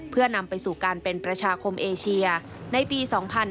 เพื่อนำไปสู่การเป็นประชาคมเอเชียในปี๒๕๕๙